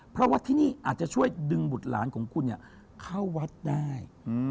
เพราะว่าที่นี่อาจจะช่วยดึงบุตรหลานของคุณเข้าวัดได้